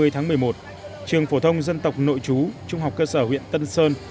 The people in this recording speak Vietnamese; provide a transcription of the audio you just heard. trường phổ thông dân tộc nội chú trung học cơ sở huyện tân sơn